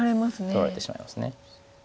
取られてしまいます。